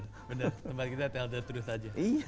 tempat kita tell the truth aja